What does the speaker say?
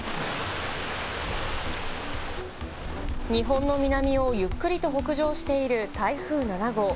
日本の南をゆっくりと北上している台風７号。